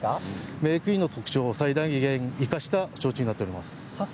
メークインの特徴を最大限に生かした焼酎になっています。